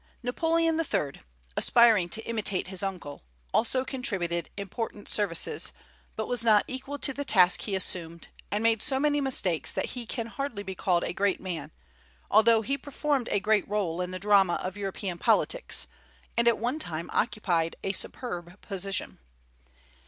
Napoleon III., aspiring to imitate his uncle, also contributed important services, but was not equal to the task he assumed, and made so many mistakes that he can hardly be called a great man, although he performed a great rôle in the drama of European politics, and at one time occupied a superb position.